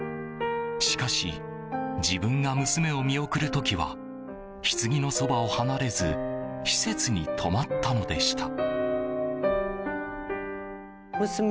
しかし、自分が娘を見送る時はひつぎのそばを離れず施設に泊まったのでした。